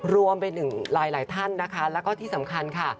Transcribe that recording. รวมไปถึงหลายท่านนะคะแล้วก็ที่สำคัญค่ะ